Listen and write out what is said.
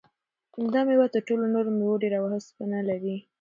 دا مېوه تر ټولو نورو مېوو ډېر اوسپنه لري.